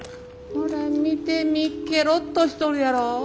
ほら見てみケロっとしとるやろ。